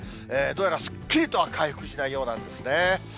どうやらすっきりとは回復しないようなんですね。